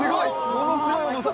ものすごい重さ！